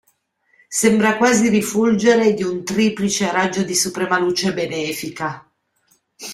Sembra quasi rifulgere di un triplice raggio di suprema luce benefica.